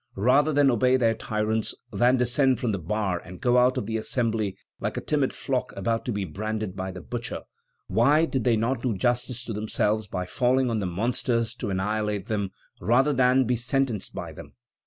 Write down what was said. Rather than obey their tyrants, than descend from the bar and go out of the Assembly like a timid flock about to be branded by the butcher, why did they not do justice to themselves by falling on the monsters to annihilate them rather than be sentenced by them?"